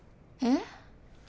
えっ？